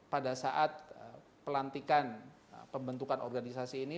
pada saat pelantikan pembentukan organisasi ini